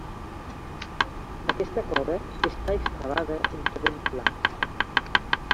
Aquesta cova està excavada en terreny pla.